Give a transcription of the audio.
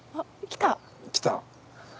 来た？